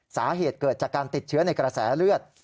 สาเหตุเกิดจากการติดเชื้อในกระแสเลือด